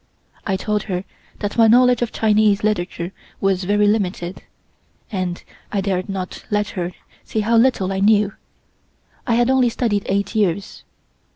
I told her that my knowledge of Chinese literature was very limited, and I dared not let her see how little I knew. I had only studied eight years.